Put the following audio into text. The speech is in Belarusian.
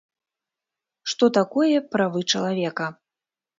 Што такое правы чалавека?